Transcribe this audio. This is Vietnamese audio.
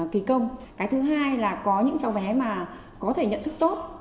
kỳ công cái thứ hai là có những cháu bé mà có thể nhận thức tốt